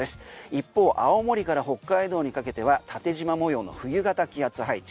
一方、青森から北海道にかけては縦じま模様の冬型気圧配置。